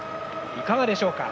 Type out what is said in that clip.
いかがでしょうか？